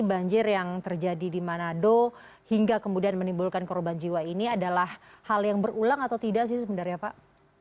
banjir yang terjadi di manado hingga kemudian menimbulkan korban jiwa ini adalah hal yang berulang atau tidak sih sebenarnya pak